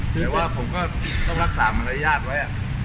แต่ว่าผมก็ต้องรักษามารยาทไว้